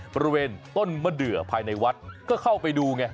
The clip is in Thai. บริเวณต้นมะเดือภายในวัดก็เข้าไปดูไง